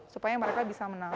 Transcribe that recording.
supaya mereka bisa menangkap